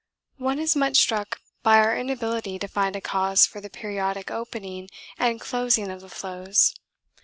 One is much struck by our inability to find a cause for the periodic opening and closing of the floes.